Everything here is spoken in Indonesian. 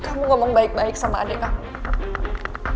kamu ngomong baik baik sama adik kamu